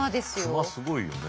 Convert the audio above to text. クマすごいよね。